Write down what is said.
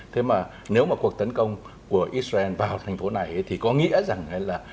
thế mà nếu mà cuộc tấn công của israel vào thành phố này thì có nghĩa rằng là